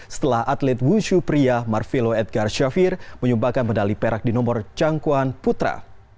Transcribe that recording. setelah atlet wushu pria marvelo edgar syafir menyumbangkan medali perak di nomor cangkuan putra